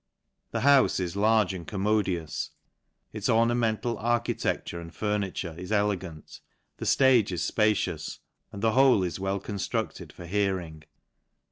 The houfe is large and ^mmodious, its ornamental architecture and fur iture is elegant, the ftage is fpacious, and the 'hole is well conftru£ted for hearing.